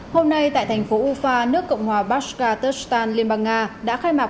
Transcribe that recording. hôm nay tại thành phố ufa nước cộng hòa bashratostan liên bang nga đã khai mạc